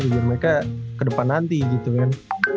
biar mereka ke depan nanti gitu kan